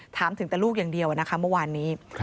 ถามถึงแต่ลูกอย่างเดียวนะคะเมื่อวานนี้